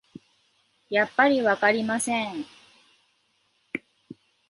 やっぱりわかりません